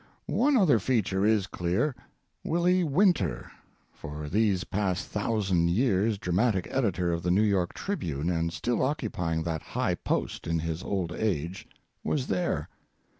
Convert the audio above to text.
One other feature is clear—Willie Winter (for these past thousand years dramatic editor of the New York Tribune, and still occupying that high post in his old age) was there.